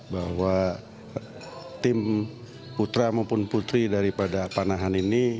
bahwa tim putra maupun putri daripada panahan ini